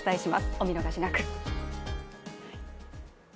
お見逃しなく。